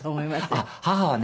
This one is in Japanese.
あっ母はね